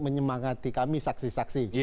menyemangati kami saksi saksi